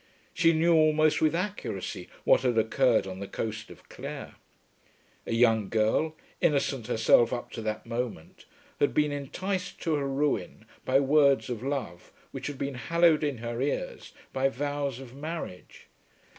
She knew almost with accuracy what had occurred on the coast of Clare. A young girl, innocent herself up to that moment, had been enticed to her ruin by words of love which had been hallowed in her ears by vows of marriage.